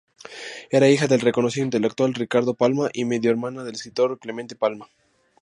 Era hija del reconocido intelectual Ricardo Palma y mediohermana del escritor Clemente Palma.